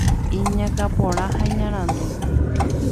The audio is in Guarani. Iñakã porã ha iñarandu.